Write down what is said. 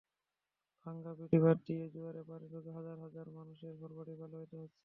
ভাঙা বেড়িবাঁধ দিয়ে জোয়ারের পানি ঢুকে হাজার হাজার মানুষের ঘরবাড়ি প্লাবিত হচ্ছে।